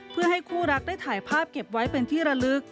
เพื่อให้คู่รักได้ถ่ายภาพเก็บไว้เป็นที่ระลึก